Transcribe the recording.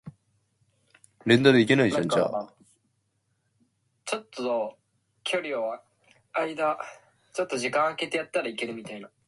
Pack animals may be fitted with pack saddles and may also carry saddlebags.